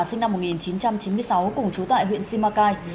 seo lê là sinh năm một nghìn chín trăm chín mươi sáu cùng chú tại huyện simacai